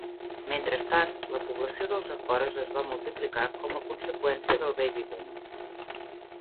Mentrestant, la població dels afores es va multiplicar com a conseqüència del baby boom.